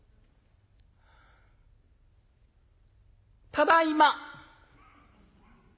「ただいま」。